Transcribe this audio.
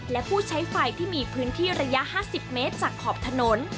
และผู้ใช้ไฟที่มีพื้นที่ระยะ๕๐เมตรจากขอบถนน